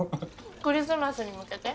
クリスマスに向けて。